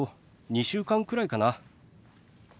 ２週間くらいかな。